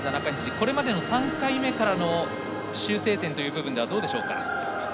これまでの３回目からの修正点という部分はどうでしょう。